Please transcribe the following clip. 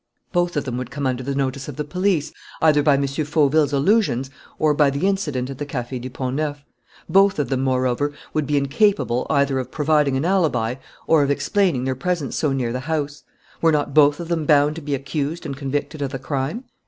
"Both of them would come under the notice of the police, either by M. Fauville's allusions or by the incident at the Café du Pont Neuf; both of them, moreover, would be incapable either of providing an alibi or of explaining their presence so near the house: were not both of them bound to be accused and convicted of the crime?